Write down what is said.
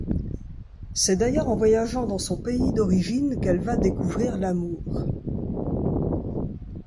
C'est d'ailleurs en voyageant dans son pays d'origine qu'elle va découvrir l'amour.